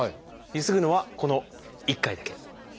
ゆすぐのはこの１回だけ。